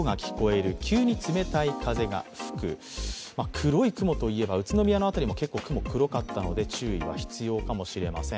黒い雲といえば、宇都宮の辺りも結構雲が黒かったので、注意は必要かもしれません。